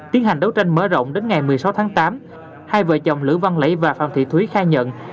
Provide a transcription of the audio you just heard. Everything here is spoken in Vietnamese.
tiến hành đấu tranh mở rộng đến ngày một mươi sáu tháng tám hai vợ chồng lữ văn lẫy và phạm thị thúy khai nhận